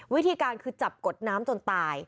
วิธีการคือจับกดน้ำจนตาย